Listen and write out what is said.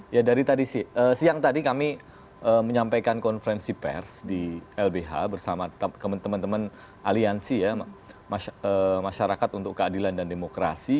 ya dari tadi siang tadi kami menyampaikan konferensi pers di lbh bersama teman teman aliansi ya masyarakat untuk keadilan dan demokrasi